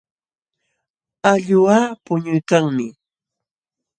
Allquqa puñuykanmi.